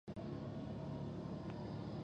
خلک پر راټول شول یو غم دوه شو.